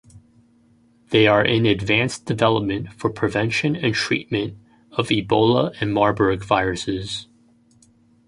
They are in advanced development for prevention and treatment of Ebola and Marburg viruses.